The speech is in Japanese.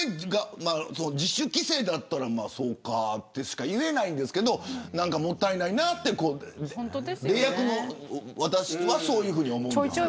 自主規制だったらそうかとしか言えないけどもったいないなって私はそういうふうに思うんです。